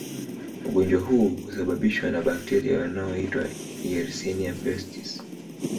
Ugonjwa huu husababishwa na bakteria wanaoitwa Yersinia pestis